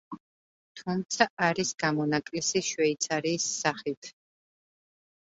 თუმცა არის გამონაკლისი შვეიცარიის სახით.